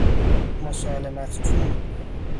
مسالمت جو